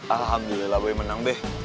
alhamdulillah boya menang be